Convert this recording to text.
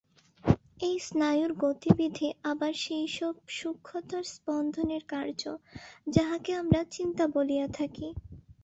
এই স্নায়ুর গতিবিধি আবার সেই-সব সূক্ষ্মতর স্পন্দনের কার্য, যাহাকে আমরা চিন্তা বলিয়া থাকি।